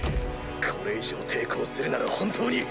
これ以上抵抗するなら本当に。